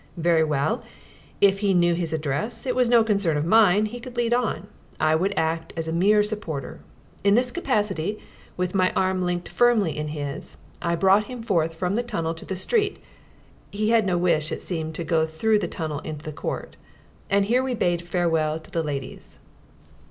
Very well; if he knew his address, it was no concern of mine; he could lead on; I would act as a mere supporter. In this capacity, with my arm linked firmly in his, I brought him forth from the tunnel to the street (he had no wish, it seemed, to go through the tunnel into the court), and here we bade farewell to the ladies.